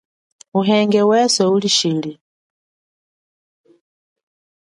Uhenge weswe uli chili.